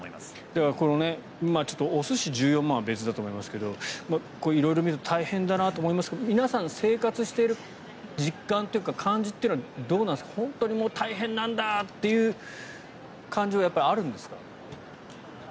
だから、お寿司１４万円は別だと思いますけどこう色々見ると大変だなと思いますけど皆さん生活している実感というか感じはどうなんですか本当に大変なんだという感じはあるんですか？